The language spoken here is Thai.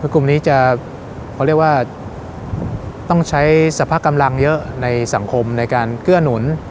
กลุ่มนี้จะเขาเรียกว่าต้องใช้สรรพกำลังเยอะในสังคมในการเกื้อหนุน